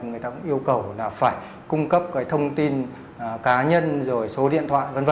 người ta cũng yêu cầu phải cung cấp thông tin cá nhân số điện thoại v v